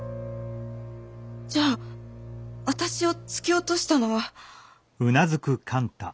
じゃあ私を突き落としたのは。